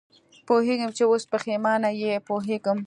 پوهېږم چې اوس پېښېمانه یې، پوهېږم.